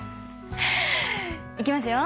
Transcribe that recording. いきますよ。